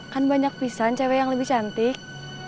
kan banyak pisang cewek yang lebih cantik